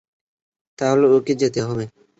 তাহলে ওকে যেতে হবে।